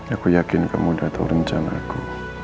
aku yakin kamu udah tau rencana aku